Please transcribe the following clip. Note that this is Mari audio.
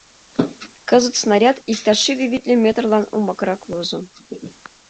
Кызыт снаряд иктаж шӱдӧ витле метрлан умбакырак возо.